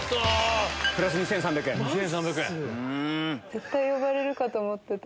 絶対呼ばれるかと思ってた。